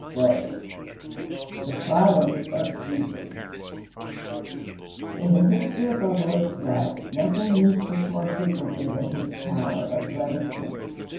XVIII THE SILENCE OF JESUS In the history of our Lord's life nothing meets us more frequently than his power of reticence.